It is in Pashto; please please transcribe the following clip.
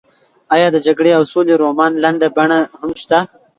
ایا د جګړې او سولې رومان لنډه بڼه هم شته؟